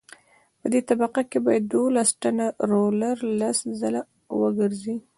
په دې طبقه باید دولس ټنه رولر لس ځله وګرځي